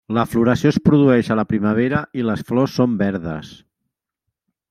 La floració es produeix a la primavera i les flors són verdes.